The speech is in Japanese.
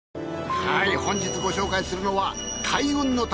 はい本日ご紹介するのは開運の旅。